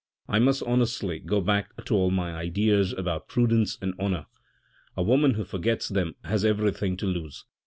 I must honestly go back to all my ideas about prudence and honour ; a woman who forgets them has everything to lose."